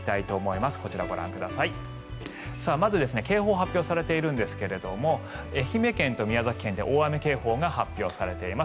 まず、警報が発表されているんですが愛媛県と宮崎県で大雨警報が発表されています。